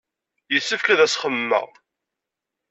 Yessefk ad as-xemmemeɣ.